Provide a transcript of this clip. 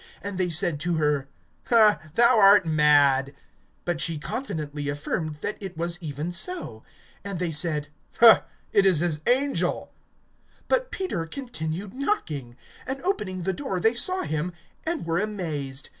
(15)And they said to her: Thou art mad. But she confidently affirmed that it was even so. And they said: It is his angel. (16)But Peter continued knocking; and opening the door they saw him, and were amazed.